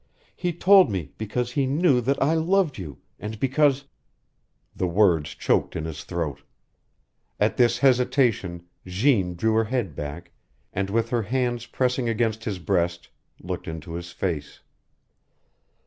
He told me because he knew that I loved you, and because " The words choked in his throat. At this hesitation Jeanne drew her head back, and, with her hands pressing against his breast, looked into his face.